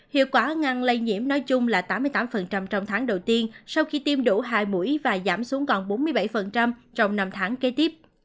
hiệu quả ngăn lây nhiễm nói chung là tám mươi tám trong tháng đầu tiên sau khi tiêm đủ hai mũi và giảm xuống còn bốn mươi bảy trong năm tháng kế tiếp